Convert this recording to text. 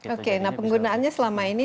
oke nah penggunaannya selama ini